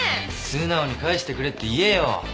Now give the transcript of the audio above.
素直に返してくれって言えよ。